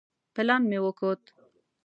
پلان مې وکوت.